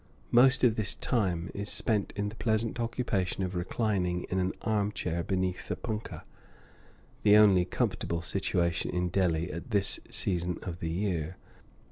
Most of this time is spent in the pleasant occupation of reclining in an arm chair beneath the punkah, the only comfortable situation in Delhi at this season of the year.